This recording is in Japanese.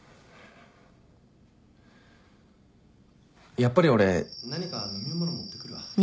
やっぱり俺何か飲み物持ってくるわ。